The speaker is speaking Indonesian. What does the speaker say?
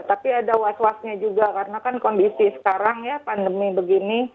tapi ada was wasnya juga karena kan kondisi sekarang ya pandemi begini